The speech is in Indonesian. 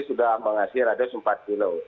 sudah mengasih radios empat kilo